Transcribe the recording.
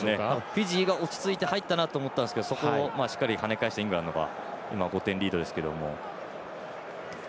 フィジーが落ち着いて入ったなと思ったんですがそこをしっかり、はね返したイングランドが今、５点リードですけども。